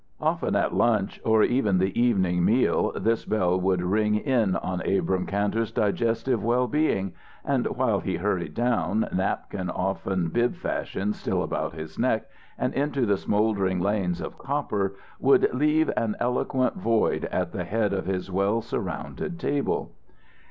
Often at lunch, or even the evening meal, this bell would ring in on Abrahm Kantor's digestive well being, and while he hurried down, napkin often bib fashion still about his neck, and into the smouldering lanes of copper, would leave an eloquent void at the head of his well surrounded table.